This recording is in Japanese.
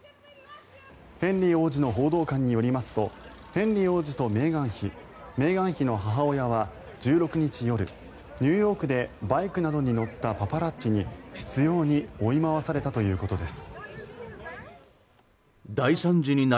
ヘンリー王子の報道官によりますとヘンリー王子とメーガン妃メーガン妃の母親は１６日夜ニューヨークでバイクなどに乗ったパパラッチに執ように追い回されたということです。